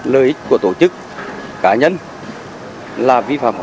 lợi ích của tổ chức cá nhân là vi phạm hợp luật